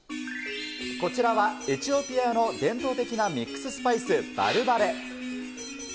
こちらは、エチオピアの伝統的なミックススパイス、バルバレ。